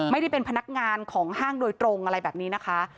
ไม่ได้เป็นพนักงานของห้างโดยตรงอะไรแบบนี้นะคะ